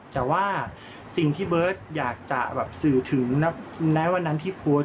แต่ว่าสิ่งที่เบิร์ตอยากจะสื่อถึงแม้วันนั้นที่โพสต์